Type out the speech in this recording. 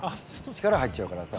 力入っちゃうからさ。